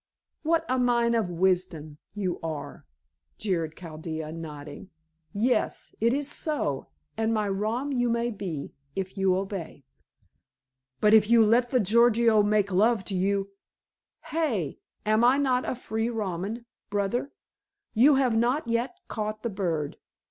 "What a mine of wisdom you are," jeered Chaldea, nodding. "Yes. It is so, and my rom you may be, if you obey." "But if you let the Gorgio make love to you " "Hey! Am I not a free Roman, brother? You have not yet caught the bird.